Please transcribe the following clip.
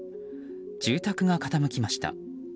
住宅が傾きました。